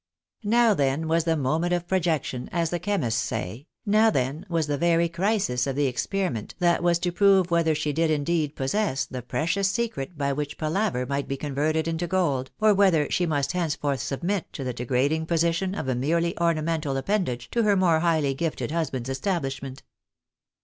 Now then wasihe moment of projection, as the chemists say, now then was the very crisis of the experiment that was to prove whether she did indeed possess the precious secret by which palaver might be converted into gold, or whether she must henceforth 240 THE BAENABYS IN AMERICA. submit to the degrading position of a merely ornamental appendage to her more highly gifted husband's establishment."